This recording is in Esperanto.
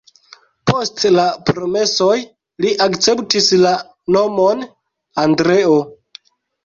Post la promesoj li akceptis la nomon Andreo.